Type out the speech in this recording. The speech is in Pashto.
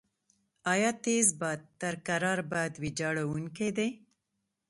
آیا تېز باد تر کرار باد ویجاړونکی دی؟